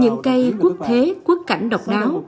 những cây quốc thế quốc cảnh độc đáo